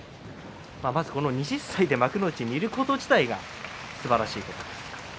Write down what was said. ２０歳で幕内にいること自体がすばらしいです。